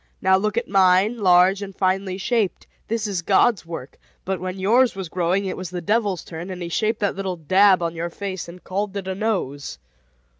Now, look at mine, large and finely shaped. This is God's work; but when yours was growing, it was the devil's turn, and he shaped that little dab on your face and called it a nose."